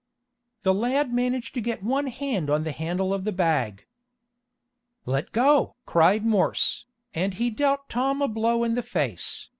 The lad managed to get one hand on the handle of the bag. "Let go!" cried Morse, and he dealt Tom a blow in the face.